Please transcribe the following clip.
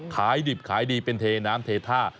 ขายดิบขายดีเป็นเทน้ำเทท่า